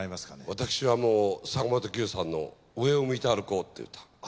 私はもう坂本九さんの『上を向いて歩こう』っていう歌。